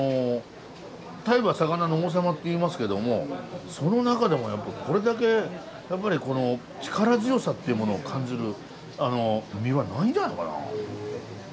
タイは魚の王様っていいますけどもその中でもやっぱりこれだけ力強さっていうものを感じる身はないんじゃないかな。